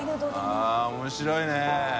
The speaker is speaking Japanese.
◆舛面白いね。